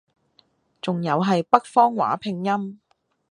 仲係有北方話拼音